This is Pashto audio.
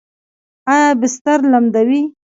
ایا بستر لمدوي؟